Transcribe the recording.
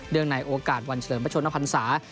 เดือนในโอกาสวัญเฉลิมประชุนภรรษา